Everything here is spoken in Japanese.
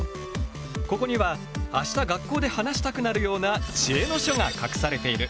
ここには明日学校で話したくなるような知恵の書が隠されている。